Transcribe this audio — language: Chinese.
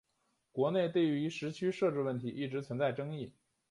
国内对于时区设置问题一直存在争议。